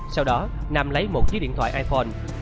sau đó nam lấy một chiếc điện thoại iphone